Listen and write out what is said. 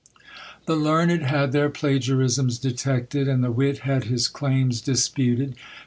The learned had their plagiarisms detected, and the wit had his claims disputed.